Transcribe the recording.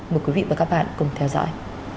mời quý vị và các bạn cùng theo dõi